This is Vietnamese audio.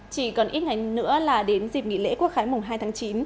chỉ còn ít ngày nữa là đến dịp nghỉ lễ quốc khái mùng hai tháng chín